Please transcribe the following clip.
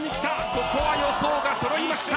ここは予想が揃いました。